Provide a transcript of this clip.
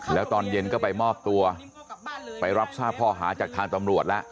แล้วตอนเย็นก็ไปมอบตัวไปรับทราบข้อหาจากทางตำรวจแล้ว